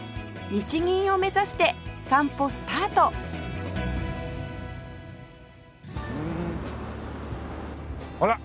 日銀を目指して散歩スタートほら